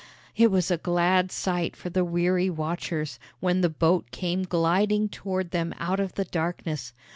It was a glad sight for the weary watchers, when the boat came gliding toward them out of the darkness.